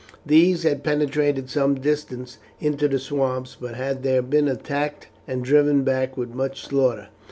These had penetrated some distance into the swamps, but had there been attacked and driven back with much slaughter.